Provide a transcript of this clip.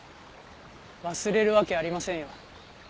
忘れるわけありませんよ